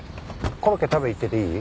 コロッケ食べに行ってていい？